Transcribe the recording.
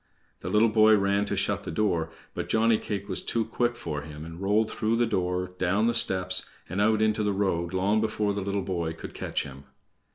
The little boy ran to shut the door, but Johnny cake was too quick for him and rolled through the door, down the steps, and out into the road long before the little boy could catch him.